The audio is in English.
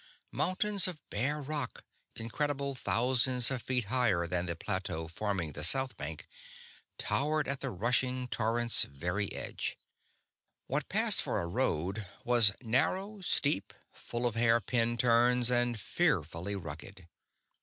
Mountains of bare rock, incredible thousands of feet higher than the plateau forming the south bank, towered at the rushing torrent's very edge. What passed for a road was narrow, steep, full of hair pin turns, and fearfully rugged.